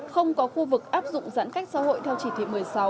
không có khu vực áp dụng giãn cách xã hội theo chỉ thị một mươi sáu